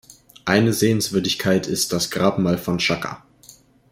Eine Sehenswürdigkeit ist das Grabmal von Shaka.